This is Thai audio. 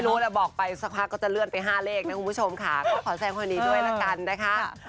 ไม่รู้แต่บอกไปสักพักก็จะเลื่อนไป๕เลขนะคุณผู้ชมค่ะก็ขอแทนคนนี้ด้วยละกันนะคะ